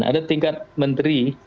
ada tingkat menteri